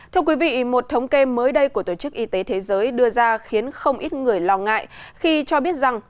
thưa quý vị một thống kê mới đây của tổ chức y tế thế giới đưa ra khiến không ít người lo ngại khi cho biết rằng